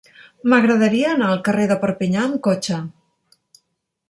M'agradaria anar al carrer de Perpinyà amb cotxe.